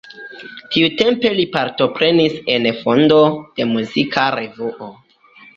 Tiutempe li partoprenis en fondo de muzika revuo.